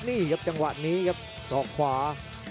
นี่ครับตอกขวา